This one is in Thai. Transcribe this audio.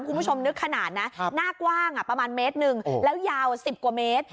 คุณผู้ชมนึกขนาดนะหน้ากว้างประมาณเมตรหนึ่งแล้วยาว๑๐กว่าเมตร